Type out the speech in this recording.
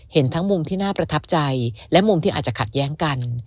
เห็นทั้งมุมที่น่าประทับใจและมุมที่อาจจะขัดแย้งกัน